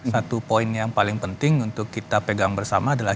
satu poin yang paling penting adalah